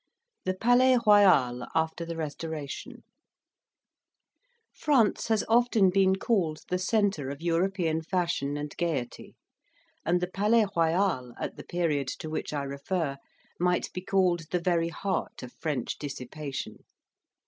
THE PALAIS ROYAL AFTER THE RESTORATION France has often been called the centre of European fashion and gaiety; and the Palais Royal, at the period to which I refer, might be called the very heart of French dissipation.